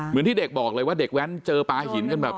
เหมือนที่เด็กบอกเลยว่าเด็กแว้นเจอปลาหิน